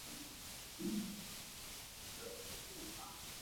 Shortly before his death, John Lennon said he enjoyed the album.